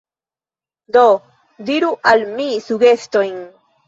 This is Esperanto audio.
Do diru al mi sugestojn.